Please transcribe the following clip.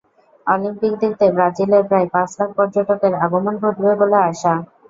Olympic দেখতে ব্রাজিলে প্রায় পাঁচ লাখ পর্যটকের আগমন ঘটবে বলে আশা।